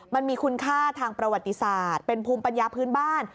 มันมีคุณค่าทางประวัติศาสตร์เป็นภูมิปัญญาพื้นบ้าน